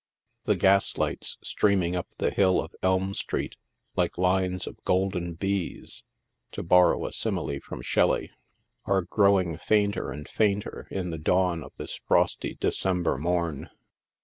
The gaslights streaming up the hill of Elm street, like lines of golden bees — to borrow a simile from Shelly — are growing fainter and fainter in the dawn of this frosty December morn.